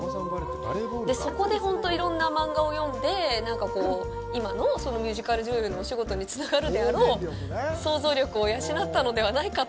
で、そこで本当いろんな漫画を読んでなんかこう、今のそのミュージカル女優のお仕事につながるであろう想像力を養ったのではないかと。